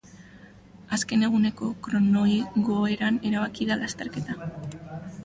Azken eguneko kronoigoeran erabaki da lasterketa.